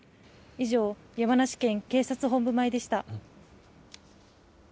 以上、山梨県警察本部前でした。